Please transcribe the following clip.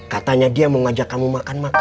katanya dia mau ngajak kamu makan makan